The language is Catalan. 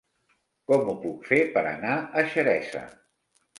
Com ho puc fer per anar a Xeresa?